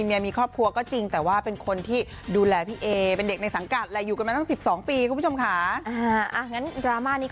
ตอนนี้ต้องถามพี่เอเองต้องถามพี่เอเอง